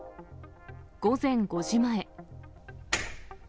午前５時前。